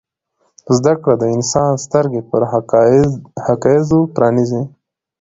زده کړه د انسان سترګې پر حقایضو پرانیزي.